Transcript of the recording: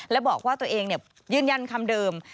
และบอกว่าตัวเองยืนยันคำเดิม